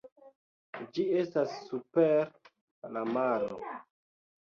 Ĝi estas super la maro.